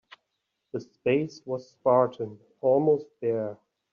The space was spartan, almost bare.